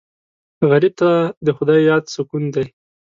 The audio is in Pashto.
غریب ته د خدای یاد سکون دی